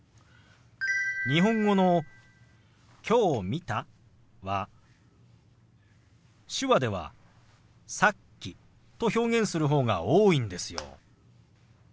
日本語の「きょう見た」は手話では「さっき」と表現する方が多いんですよ。